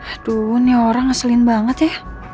aduh nih orang asliin banget ya